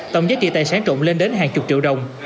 tổng giá trị tài sản trộm lên đến hàng chục triệu đồng